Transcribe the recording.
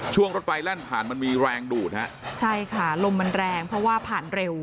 รถไฟแล่นผ่านมันมีแรงดูดฮะใช่ค่ะลมมันแรงเพราะว่าผ่านเร็ว